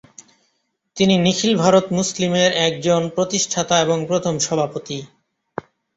তিনি নিখিল ভারত মুসলিমের একজন প্রতিষ্ঠাতা এবং প্রথম সভাপতি।